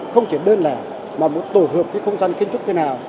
không chỉ đơn lẻ mà tổ hợp với không gian kiến trúc